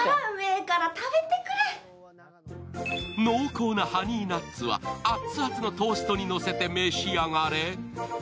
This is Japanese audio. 濃厚なハニーナッツは熱々のトーストにのせて召し上がれ。